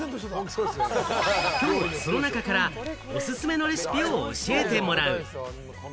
きょうはその中からおすすめのレシピを教えてもらう。